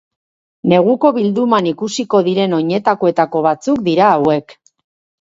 Neguko bilduman ikusiko diren oinetakoetako batzuk dira hauek.